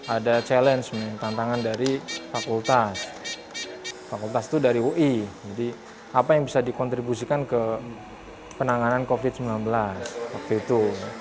ada challenge tantangan dari fakultas fakultas itu dari ui jadi apa yang bisa dikontribusikan ke penanganan covid sembilan belas waktu itu